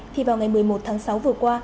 thì vào ngày một mươi một tháng sáu vừa qua